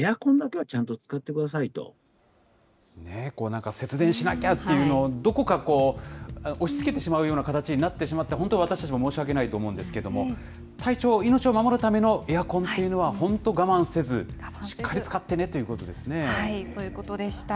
なんか節電しなきゃっていうのを、どこかこう、押しつけてしまうような形になってしまって、本当、私たちも申し訳ないと思うんですけれども、体調、命を守るためのエアコンっていうのは、本当我慢せず、しっかり使ってねというこそういうことでした。